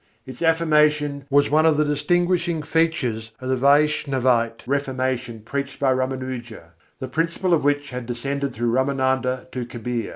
Its affirmation was one of the distinguishing features of the Vaishnavite reformation preached by Râmânuja; the principle of which had descended through Râmânanda to Kabîr.